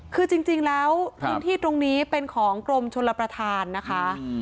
คือจริงแล้วพื้นที่ตรงนี้เป็นของกรมชลประธานนะคะ